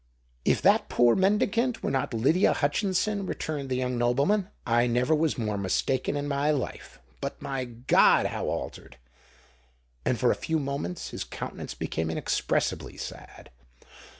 "If that poor mendicant were not Lydia Hutchinson," returned the young nobleman, "I never was more mistaken in my life. But, my God! how altered!" And for a few moments his countenance became inexpressibly sad.